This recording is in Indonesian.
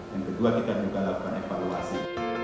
yang kedua kita juga lakukan evaluasi